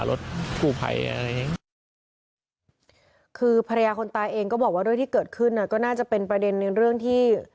เรื่องที่เกิดขึ้นก็น่าจะเป็นประเด็นในเรื่องที่